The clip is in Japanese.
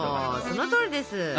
そのとおりです。